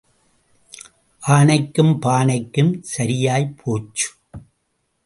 ஆனைக்கும் பானைக்கும் சரியாய்ப் போச்சு.